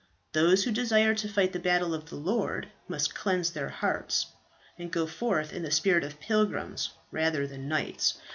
Those who desire to fight the battle of the Lord must cleanse their hearts, and go forth in the spirit of pilgrims rather than knights.